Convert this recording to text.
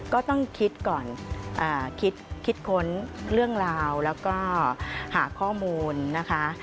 ก็ต้องคิดก่อนคิดคิดค้นเรื่องราวแล้วก็หาข้อมูลนะคะ